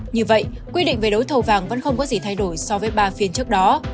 như vậy quy định về đấu thầu vàng vẫn không có gì thay đổi so với ba phiên trước đó